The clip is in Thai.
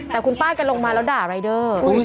แต่คุณป้าแกลงมาแล้วด่ารายเดอร์